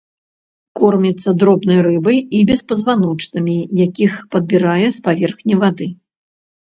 Корміцца дробнай рыбай і беспазваночнымі, якіх падбірае з паверхні вады.